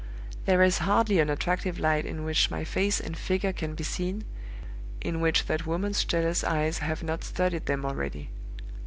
There is hardly an attractive light in which my face and figure can be seen, in which that woman's jealous eyes have not studied them already.